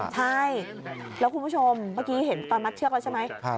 ใช่แล้วคุณผู้ชมเมื่อกี้เห็นตอนมัดเชือกแล้วใช่ไหม